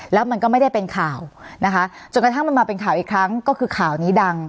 แล้วมันก็ไม่ได้เป็นข่าวนะคะจนกระทั่งมันมาเป็นข่าวอีกครั้งก็คือข่าวนี้ดัง